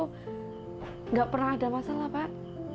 tidak pernah ada masalah pak